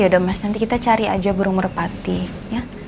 ya udah mas nanti kita cari aja burung merpati ya